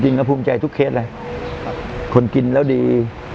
จริงแล้วภูมิใจทุกเคสคนกินแล้วดี